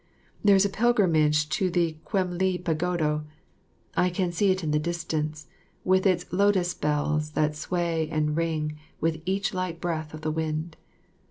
There is a pilgrimage to the Kwem li Pagoda. I can see it in the distance, with its lotus bells that sway and ring with each light breath of wind.